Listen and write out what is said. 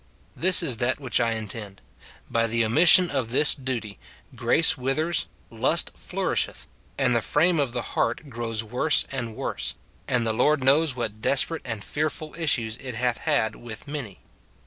This is that which I intend : by the omission of this duty grace withers, lust flourisheth, and the frame of the heart grows worse and worse ; and the Lord knows what despe rate and fearful issues it hath had with many.